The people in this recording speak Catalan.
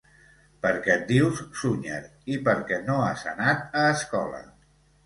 Perquè et dius Sunyer i perquè no has anat a escola.